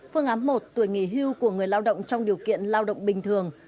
phương án một tuổi nghỉ hưu của người lao động trong điều kiện lao động bình thường